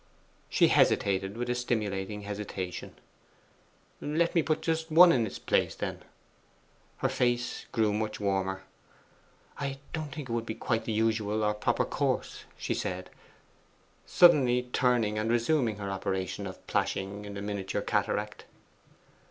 She hesitated with a stimulating hesitation. 'Let me put just one in its place, then?' Her face grew much warmer. 'I don't think it would be quite the usual or proper course,' she said, suddenly turning and resuming her operation of plashing in the miniature cataract.